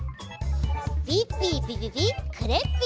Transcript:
ピッピーピピピクレッピー！